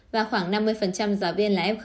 và khoảng năm mươi giả viên là f